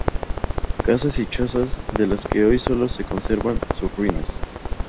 casas y chozas de las que hoy sólo se conservan sus ruinas